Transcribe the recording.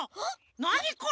なにこれ！？